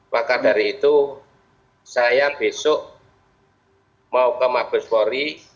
maka dari itu saya besok mau ke mabes polri